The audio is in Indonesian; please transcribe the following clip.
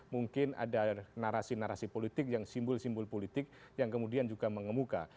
mungkin ada narasi narasi politik yang simbol simbol politik yang kemudian juga mengemuka